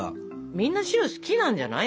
みんな白好きなんじゃない？